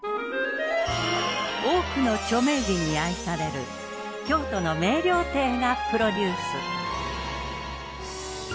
多くの著名人に愛される京都の名料亭がプロデュース。